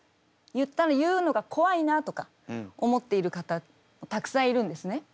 言うのが怖いなとか思っている方たくさんいるんですね。